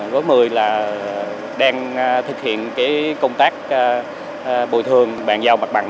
với một mươi là đang thực hiện công tác bồi thường bàn giao mặt bằng